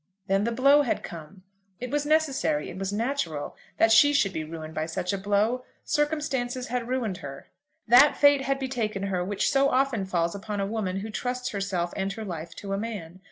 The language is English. Then the blow had come. It was necessary, it was natural, that she should be ruined by such a blow. Circumstances had ruined her. That fate had betaken her which so often falls upon a woman who trusts herself and her life to a man.